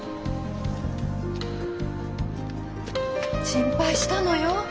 心配したのよ。